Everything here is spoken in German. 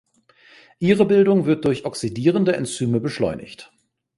Ihre Bildung wird durch oxidierende Enzyme beschleunigt.